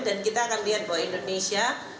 dan kita akan lihat bahwa indonesia